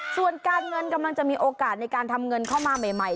ส่วนการเงินกำลังจะมีโอกาสในการทำเงินเข้ามาใหม่